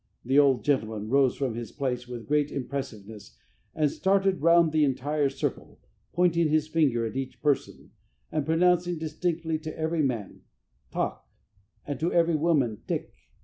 The old gentleman rose from his place with great impressiveness and started round the entire circle, pointing his finger at each person, and pronouncing distinctly to every man, "tak" and to every woman, "tik."